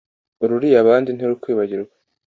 Uruliye abandi ntirukwibagiwe